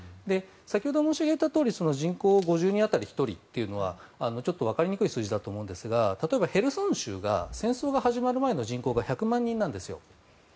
先ほど申し上げたとおり人口５０人当たり１人というのはちょっとわかりにくい数字だと思うんですが例えばヘルソン州が戦争が始まる前の人口が１００万人なんですよ。